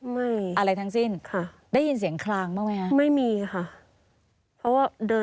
ไม่ขยับแล้ว